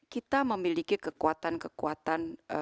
kita memiliki kekuatan kekuatan